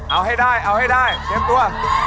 เอาให้ได้เตรียมตัว